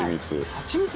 ハチミツ。